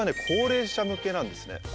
高齢者向けなんですね。